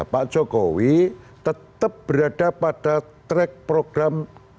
pak jokowi tetap berada pada track program